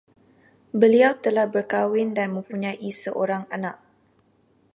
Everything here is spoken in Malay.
Beliau telah berkahwin dan mempunyai seorang anak